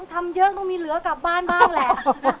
ทำเยอะต้องมีเหลือกลับบ้านบ้างแหละ